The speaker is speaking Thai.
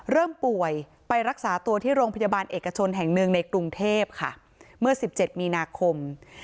เริ่มป่วยไปรักษาตัวที่โรงพยาบาลเอกชนแห่งหนึ่งในกรุงเทพค่ะเมื่อ๑๗มีนาคม